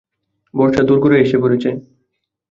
বর্ষা দোড়গোড়ায় এসে পড়েছে।